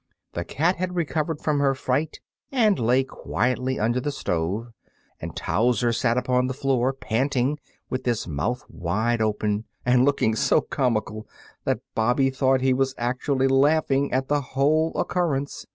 The cat had recovered from her fright and lay quietly under the stove, and Towser sat upon the floor panting, with his mouth wide open, and looking so comical that Bobby thought he was actually laughing at the whole occurrence.